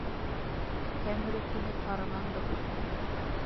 Тәңре көнө тарынан да күп.